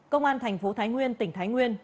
công an thành phố thái nguyên tỉnh thái nguyên